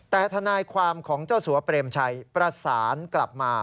แต่ทนายความของเจ้าสัวเปรมชัยประสานกลับมา